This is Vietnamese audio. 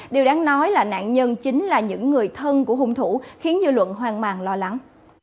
điều đáng nói là nạn nhân chính là những người thân của hung thủ khiến dư luận hoang màng lo lắng